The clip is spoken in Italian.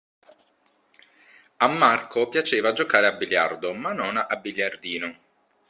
A Marco piaceva giocare a biliardo, ma non a biliardino.